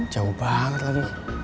jauh banget lagi